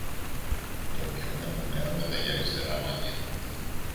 τον πιωμένο νέο με τα γυαλιστερά μάτια